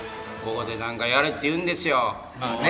ここで何かやれって言うんですよ。